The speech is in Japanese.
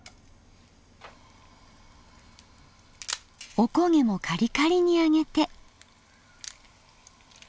おこげもカリカリに揚げて。